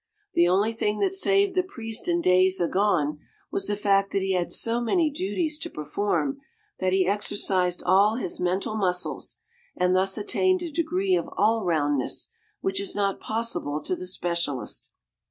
The only thing that saved the priest in days agone was the fact that he had so many duties to perform that he exercised all his mental muscles, and thus attained a degree of all roundness which is not possible to the specialist.